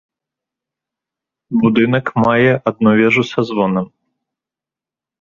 Будынак мае адну вежу са звонам.